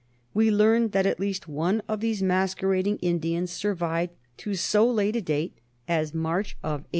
We learn that at least one of these masquerading Indians survived to so late a date as the March of 1846.